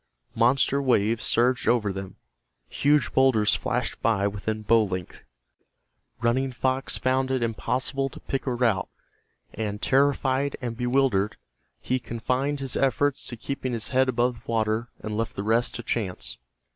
Monster waves surged over them, huge boulders flashed by within bow length. Running Fox found it impossible to pick a route, and, terrified and bewildered, he confined his efforts to keeping his head above the surface and left the rest to chance.